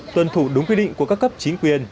tuân thủ đúng quy định của các cấp chính quyền